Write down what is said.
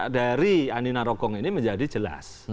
dari andi narogong ini menjadi jelas